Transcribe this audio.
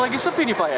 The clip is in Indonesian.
oh lagi sepi nih pak ya